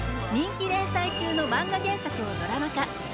人気連載中のマンガ原作をドラマ化。